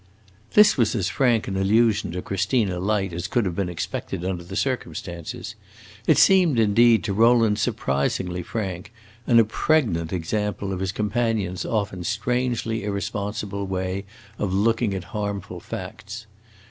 This was as frank an allusion to Christina Light as could have been expected under the circumstances; it seemed, indeed, to Rowland surprisingly frank, and a pregnant example of his companion's often strangely irresponsible way of looking at harmful facts.